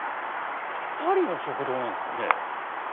パリの食堂なんすよね。